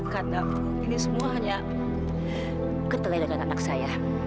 karena ini semua hanya ketelai dengan anak saya